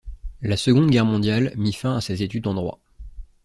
La Seconde Guerre mondiale mit fin à ses études en droit.